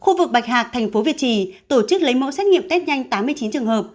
khu vực bạch hạc tp việt trì tổ chức lấy mẫu xét nghiệm test nhanh tám mươi chín trường hợp